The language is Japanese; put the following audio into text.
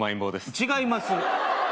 違います